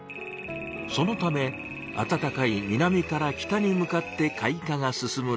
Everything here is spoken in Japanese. そのためあたたかい南から北に向かって開花が進むのです。